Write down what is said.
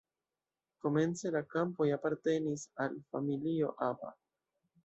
Komence la kampoj apartenis al familio Aba.